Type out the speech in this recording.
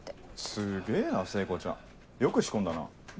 すげぇな聖子ちゃんよく仕込んだな。